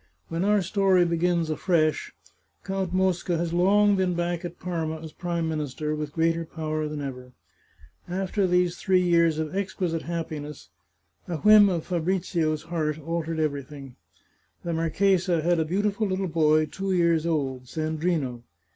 When our story begins afresh. Count Mosca has long been back at Parma as Prime Minister, with greater power than ever. After these three years of exquisite happiness, a whim of Fabrizio's heart altered everything. The marchesa had a beautiful little boy two years old, Sandrino.